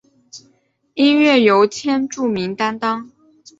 音乐由千住明担当。